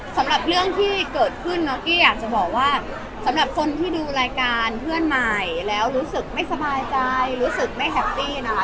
สำหรับเรื่องที่เกิดขึ้นเนาะกี้อยากจะบอกว่าสำหรับคนที่ดูรายการเพื่อนใหม่แล้วรู้สึกไม่สบายใจรู้สึกไม่แฮปปี้นะคะ